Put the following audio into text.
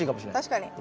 確かに。